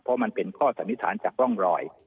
เพราะมันเป็นข้อสันนิษฐานจากร่องรอย